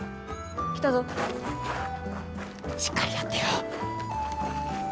来たぞしっかりやってよ！